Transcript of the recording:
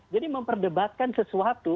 jadi memperdebatkan sesuatu